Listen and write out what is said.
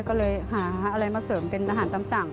ก็เลยหาอะไรมาเสริมเป็นอาหารตามสั่ง